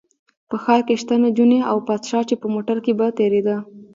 په ښار کې شته نجونې او پادشاه چې په موټر کې به تېرېده.